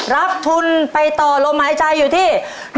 รับทุนไปต่อลมหายใจอยู่ที่